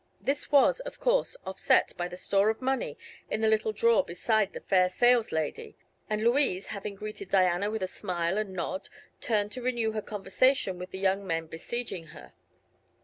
This was, of course, offset by the store of money in the little drawer beside the fair sales lady, and Louise, having greeted Diana with a smile and nod, turned to renew her conversation with the young men besieging her.